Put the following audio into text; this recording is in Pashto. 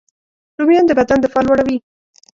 رومیان د بدن دفاع لوړوي